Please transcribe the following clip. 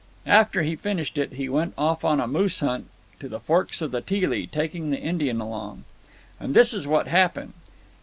After he finished it, he went off on a moose hunt to the forks of the Teelee, takin' the Indian along. "And this is what happened.